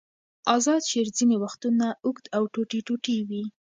آزاد شعر ځینې وختونه اوږد او ټوټې ټوټې وي.